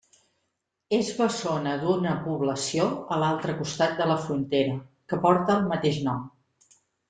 Es bessona d'una població a l'altre costat de la frontera, que porta el mateix nom.